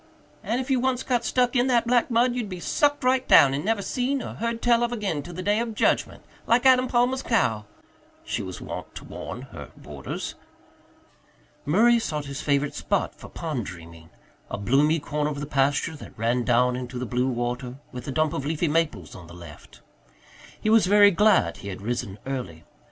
"And if you once got stuck in that black mud you'd be sucked right down and never seen or heard tell of again till the day of judgment, like Adam Palmer's cow," she was wont to warn her boarders. Murray sought his favourite spot for pond dreaming a bloomy corner of the pasture that ran down into the blue water, with a dump of leafy maples on the left. He was very glad he had risen early.